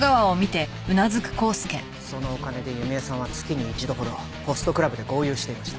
そのお金で弓江さんは月に一度ほどホストクラブで豪遊していました。